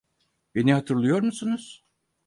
Beni hatırlıyor musunuz?